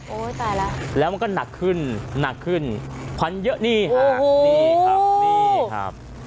ตายแล้วแล้วมันก็หนักขึ้นหนักขึ้นควันเยอะนี่ฮะนี่ครับนี่ครับ